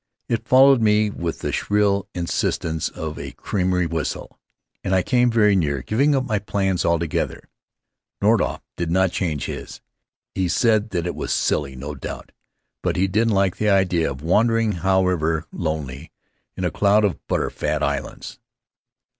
It followed me with the shrill insistence of a creamery whistle, and I came very near giving up my plans altogether. Nordhoff did change his. He said that it was silly, no doubt, but he didn't like the idea of wandering, however lonely, in a cloud of butter fat islands.